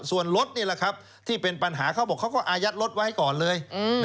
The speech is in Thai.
ส่วนรถนี่แหละครับที่เป็นปัญหาเขาบอกเขาก็อายัดรถไว้ก่อนเลย